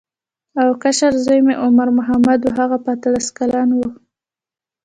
او کشر زوی مې عمر محمد و هغه به اتلس کلن و.